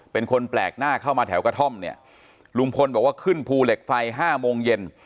เป็นคนแปลกหน้าเข้ามาแถวกระท่อมเนี่ยลุงพลบอกว่าขึ้นภูเหล็กไฟห้าโมงเย็น